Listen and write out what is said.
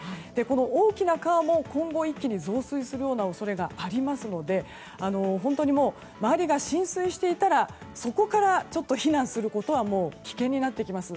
大きな川も、今後一気に増水するような恐れがありますので本当に、周りが浸水していたらそこから避難することは危険になってきます。